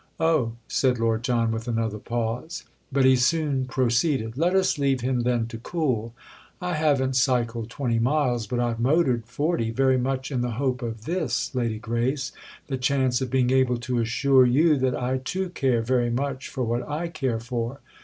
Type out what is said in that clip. "Oh!" said Lord John with another pause. But he soon proceeded. "Let us leave him then to cool! I haven't cycled twenty miles, but I've motored forty very much in the hope of this, Lady Grace—the chance of being able to assure you that I too care very much for what I care for."